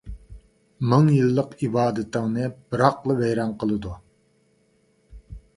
مىڭ يىللىق ئىبادىتىڭنى بىراقلا ۋەيران قىلىدۇ.